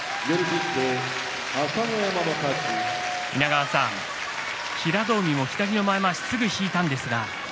稲川さん、平戸海も左の前まわしをすぐ引いたんですが。